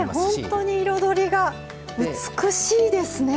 本当に彩りが美しいですね。